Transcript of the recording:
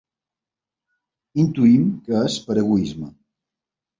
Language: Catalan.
Intuïm que és per egoisme.